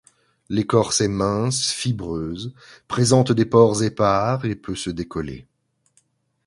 L'écorce est mince, fibreuse, présente des pores épars et peut se décoller.